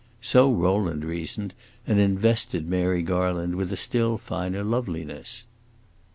So Rowland reasoned, and invested Mary Garland with a still finer loveliness.